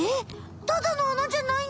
ただのあなじゃないの？